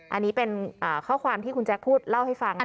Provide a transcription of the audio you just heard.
อันนี้เป็นข้อความที่คุณแจ๊คพูดเล่าให้ฟัง